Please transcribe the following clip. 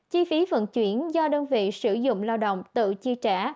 chi phí vận chuyển do đơn vị sử dụng lao động tự chi trả